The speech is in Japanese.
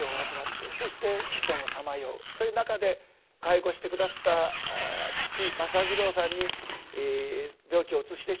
そういう中で介護して下すった父政次郎さんに病気をうつしてしまうという。